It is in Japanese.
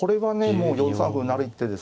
もう４三歩成る一手ですね。